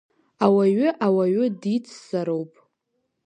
Ауаҩы ауаҩы дицзароуп.